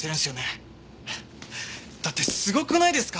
だってすごくないですか？